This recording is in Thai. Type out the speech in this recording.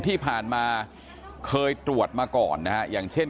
ที่ผ่านมาเคยตรวจมาก่อนนะฮะอย่างเช่น